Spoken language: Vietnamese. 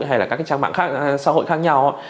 hay là các trang mạng xã hội khác nhau